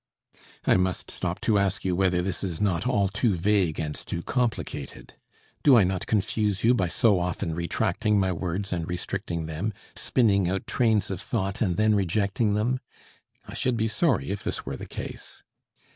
I must stop to ask you whether this is not all too vague and too complicated? Do I not confuse you by so often retracting my words and restricting them, spinning out trains of thought and then rejecting them? I should be sorry if this were the case.